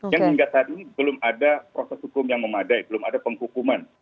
yang hingga saat ini belum ada proses hukum yang memadai belum ada penghukuman